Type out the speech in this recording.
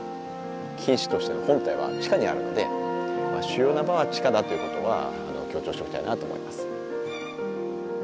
菌糸としての本体は地下にあるので主要な場は地下だということは強調しておきたいなと思います。